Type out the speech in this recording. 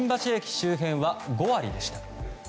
周辺は５割でした。